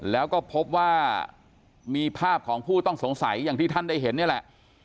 แล้วก็พบว่ามีภาพของผู้ต้องสงสัยอย่างที่ท่านได้เห็นนี่แหละ